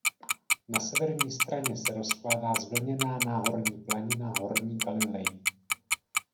Na severní straně se rozkládá zvlněná náhorní planina Horní Galileji.